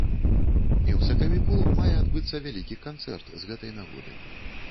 І ў сакавіку мае адбыцца вялікі канцэрт з гэтай нагоды.